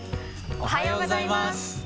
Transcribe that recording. おはようございます。